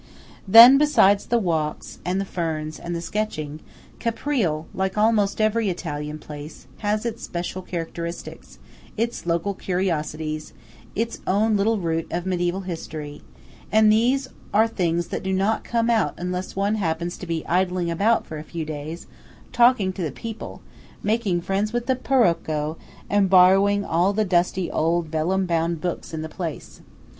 Then, besides the walks and the ferns and the sketching, Caprile–like almost every Italian place–has its special characteristics; its local curiosities; its own little root of mediæval history; and these are things that do not come out unless one happens to be idling about for a few days, talking to the people, making friends with the Paroco, and borrowing all the dusty old vellum bound books in the place.